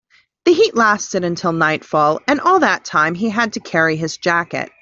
The heat lasted until nightfall, and all that time he had to carry his jacket.